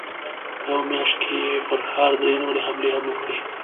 په يوه مياشت کې يې پر ښار درې نورې حملې هم وکړې.